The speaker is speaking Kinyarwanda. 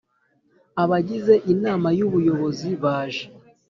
abagize Inama y Ubuyobozi baje